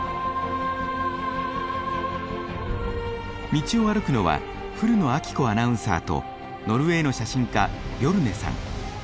道を歩くのは古野晶子アナウンサーとノルウェーの写真家ビョルネさん。